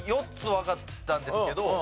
４つわかったんですけど